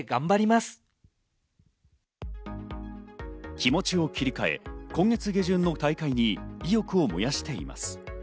気持ちを切り替え、今月下旬の大会に意欲を燃やしています。